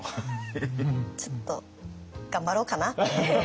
ちょっと頑張ろうかなって。